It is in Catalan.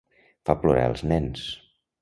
Fa plorar els nens.